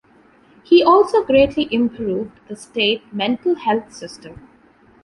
He also greatly improved the state mental health system.